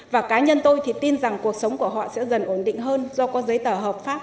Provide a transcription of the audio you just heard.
và cá nhân tôi thì tin rằng cuộc sống của họ sẽ dần ổn định hơn do có giấy tờ hợp pháp